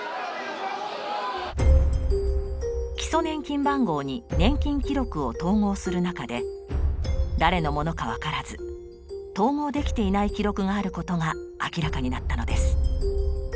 基礎年金番号に年金記録を統合する中で誰のものか分からず統合できていない記録があることが明らかになったのです。